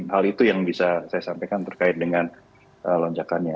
hal itu yang bisa saya sampaikan terkait dengan lonjakannya